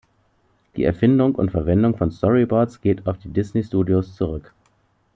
Die Erfindung und Verwendung von Storyboards geht auf die Disney-Studios zurück.